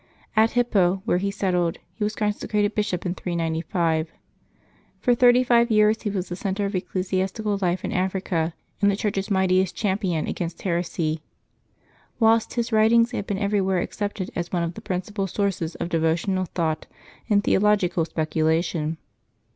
At Hippo, where he settled, he was consecrated bishop in 395. For thirty five years he was the centre of ecclesiastical life in Africa, and the Church's mightiest champion against heresy ; whilst his writings have been everywhere accepted as one of the principal sources of devotional thought and theological speculation.